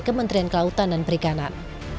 kementerian kelautan dan perikanan